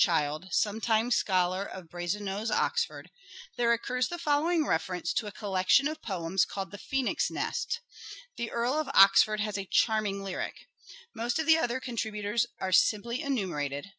Child, sometime scholar of Brasenose, Oxford — there occurs the following reference to a collection of poems called " The Phoenix' Nest." " The Earl of Oxford has a charming lyric." Most of the other contributors are simply enumerated.